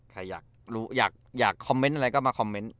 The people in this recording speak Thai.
ใครอยากคอมเมนต์อะไรก็มาคอมเมนต์